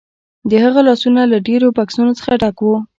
د هغه لاسونه له ډیرو بکسونو څخه ډک وو